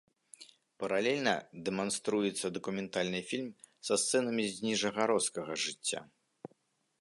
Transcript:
Паралельна дэманструецца дакументальны фільм са сцэнамі з ніжагародскага жыцця.